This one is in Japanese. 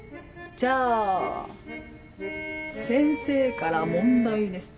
じゃあ先生から問題です。